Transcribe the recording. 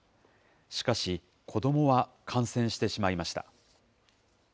しかし、子どもは感染してしまいました。